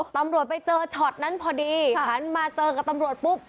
ตำรวจไปเจอช็อตนั้นพอดีหันมาเจอกับตำรวจปุ๊บ